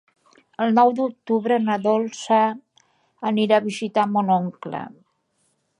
El nou d'octubre na Dolça anirà a visitar mon oncle.